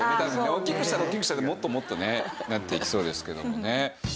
大きくしたら大きくしたでもっともっとねなっていきそうですけどもね。